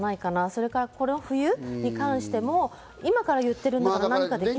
それからこの冬に関しても今から言っているのは。